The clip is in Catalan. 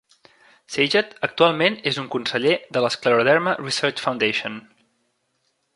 Saget actualment és un conseller de la Scleroderma Research Foundation.